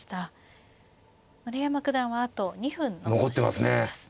丸山九段はあと２分残していますね。